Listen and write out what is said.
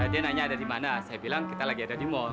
dia nanya ada di mana saya bilang kita lagi ada di mall